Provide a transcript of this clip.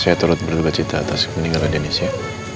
saya turut berdoa cita atas meninggalnya denis ya